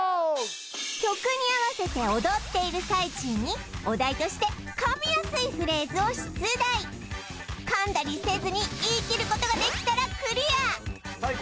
曲に合わせて踊っている最中にお題として噛みやすいフレーズを出題噛んだりせずに言い切ることができたらクリアさあい